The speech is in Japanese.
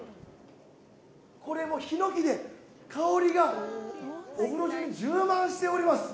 これもひのきで香りがお風呂じゅうに充満しております。